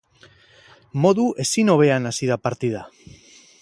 Modu ezin hobean hasi da partida.